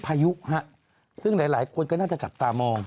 พายุฮะซึ่งหลายคนก็น่าจะจับตามอง